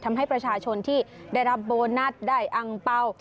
ทำให้ประชาชนที่ได้รับโบนัสได้อังเป้า